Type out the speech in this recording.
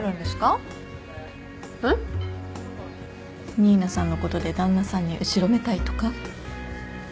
新名さんのことで旦那さんに後ろめたいとか？